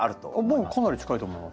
僕かなり近いと思いますよ。